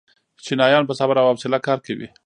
چینایان په صبر او حوصله کار کوي.